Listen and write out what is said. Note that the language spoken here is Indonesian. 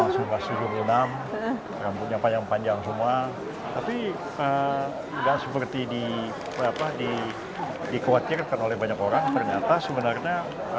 sampai jumpa di video selanjutnya